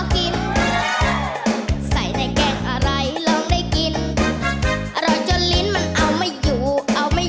กินใส่ในแกงอะไรลองได้กินอร่อยจนลิ้นมันเอาไม่อยู่เอาไม่